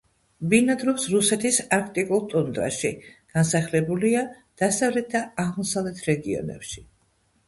ბინადრობს რუსეთის არქტიკულ ტუნდრაში, განსახლებულია დასავლეთ და აღმოსავლეთ რეგიონებში.